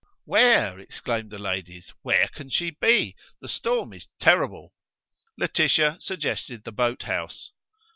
"Where!" exclaimed the ladies, "where can she be! The storm is terrible." Laetitia suggested the boathouse.